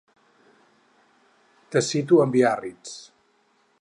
Te cito en Biarritz.